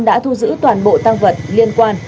đã thu giữ toàn bộ tăng vật liên quan